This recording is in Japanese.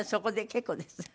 「結構です」。